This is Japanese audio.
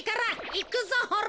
いくぞほら。